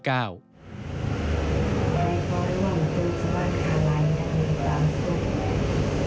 แม่เขาเรียกว่าเหมือนก็คือว่าคาไลน์อย่างนี้ตามสุด